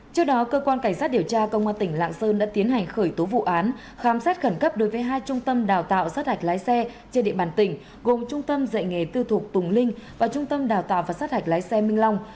trước đó cơ quan cảnh sát điều tra công an tỉnh lạng sơn đã tiến hành khởi tố vụ án khám xét khẩn cấp đối với hai trung tâm đào tạo sát hạch lái xe trên địa bàn tỉnh gồm trung tâm dạy nghề tư thục tùng linh và trung tâm đào tạo và sát hạch lái xe minh long